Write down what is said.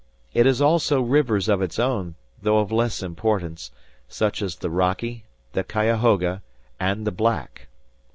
It has also rivers of its own though of less importance, such as the Rocky, the Cuyahoga, and the Black.